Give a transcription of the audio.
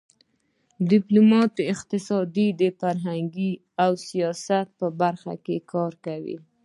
ډيپلومات د اقتصاد، فرهنګ او سیاست په برخه کې کار کوي.